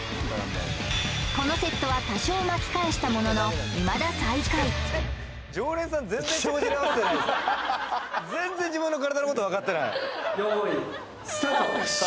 このセットは多少巻き返したもののいまだ最下位用意スタート！